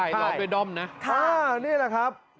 ใช่พี่อ๋อเดี๋ยวไปด้อมนะค่ะนี่แหละครับ